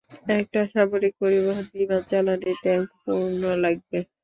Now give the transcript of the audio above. একটা সামরিক পরিবহণ বিমান, জ্বালানী ট্যাংক পূর্ণ লাগবে।